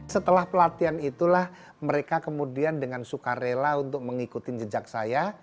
setelah pelatihan itulah mereka kemudian dengan suka rela untuk mengikuti jejak saya